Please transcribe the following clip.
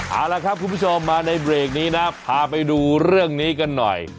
เอาละครับคุณผู้ชมมาในเบรกนี้นะพาไปดูเรื่องนี้กันหน่อย